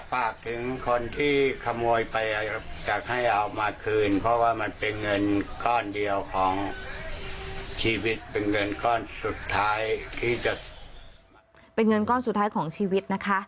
เป็นเงินก้อนสุดท้ายของชีวิตนะคะ